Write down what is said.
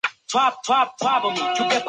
诸子为官奴。